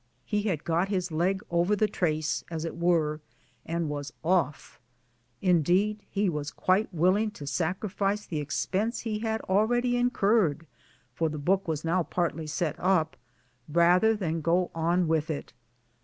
He had got his leg over the trace, as it were, and was 'off.' Indeed, he was quite willing to sacrifice the expense he had already incurred (for the book was now partly set up) rather than go on with it.